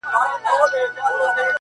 په هغه شپه له پاچا سره واده سوه٫